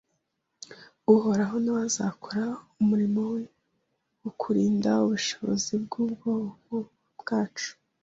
Uhoraho na we azakora umurimo we wo kurinda ubushobozi bw’ubwonko bwacu.